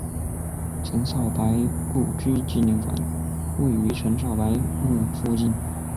陈少白故居纪念馆位于陈少白墓附近。